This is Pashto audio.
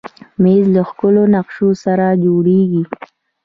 مېز له ښکلو نقشو سره جوړېږي.